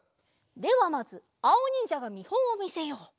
ではまずあおにんじゃがみほんをみせよう。